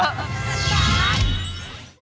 โอเคโอเคโอเค